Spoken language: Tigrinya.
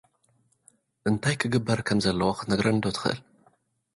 እንታይ ክግበር ከም ዘለዎ ኽትነግረኒ'ዶ ትኽእል?